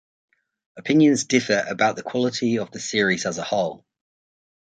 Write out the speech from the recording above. Opinions differ about the quality of the series as a whole.